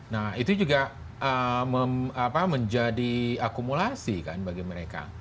nah itu juga menjadi akumulasi kan bagi mereka